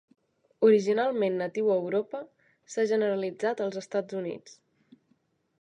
Originalment natiu a Europa, s'ha generalitzat als Estats Units.